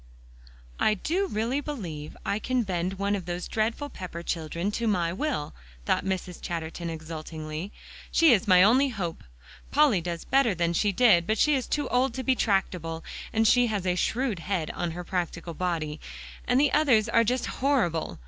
"I do really believe I can bend one of those dreadful Pepper children to my will," thought Mrs. Chatterton exultingly. "She is my only hope. Polly does better than she did, but she is too old to be tractable, and she has a shrewd head on her practical body, and the others are just horrible!"